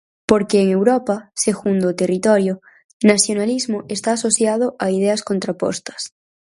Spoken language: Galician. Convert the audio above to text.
Porque en Europa, segundo o territorio, "nacionalismo" está asociado a ideas contrapostas.